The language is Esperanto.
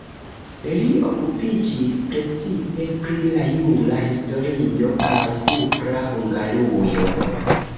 Li okupiĝis precipe pri la jura historio kaj Supra Hungarujo.